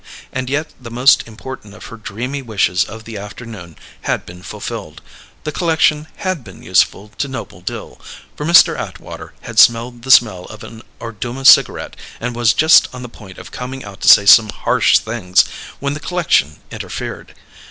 And yet, the most important of her dreamy wishes of the afternoon had been fulfilled: the c'lection had been useful to Noble Dill, for Mr. Atwater had smelled the smell of an Orduma cigarette and was just on the point of coming out to say some harsh things, when the c'lection interfered.